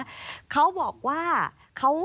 ทีมข่าวไทยรัฐทีวีก็ติดต่อสอบถามไปที่ผู้บาดเจ็บนะคะ